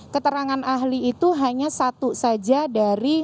keterangan ahli itu hanya satu saja dari